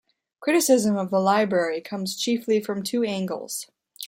Criticism of the library comes chiefly from two angles.